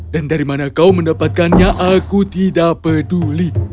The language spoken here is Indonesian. dan dari mana kau mendapatkannya aku tidak peduli